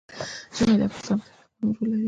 ژمی د افغانستان په طبیعت کې مهم رول لري.